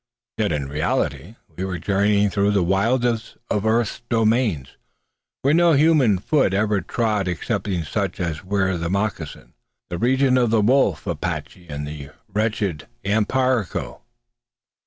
Yet in reality we were journeying through the wildest of earth's dominions, where no human foot ever trod excepting such as wear the moccasin; the region of the "wolf" Apache and the wretched Yamparico.